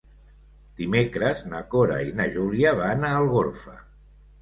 Dimecres na Cora i na Júlia van a Algorfa.